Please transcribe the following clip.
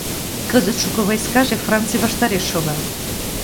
Кызыт шуко войскаже Франций ваштареш шога.